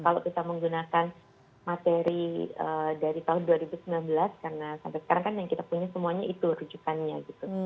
kalau kita menggunakan materi dari tahun dua ribu sembilan belas karena sampai sekarang kan yang kita punya semuanya itu rujukannya gitu